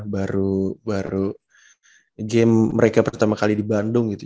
baru game mereka pertama kali di bandung gitu